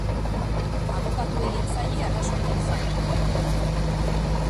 Abokatuei ez zaie arrazoirik falta.